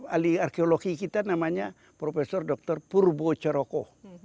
ali arkeologi kita namanya profesor dr purbo coroko